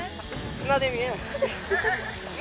砂で見えない。